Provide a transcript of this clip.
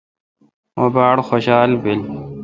مہ باڑ خوشال بیل۔